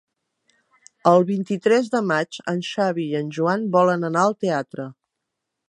El vint-i-tres de maig en Xavi i en Joan volen anar al teatre.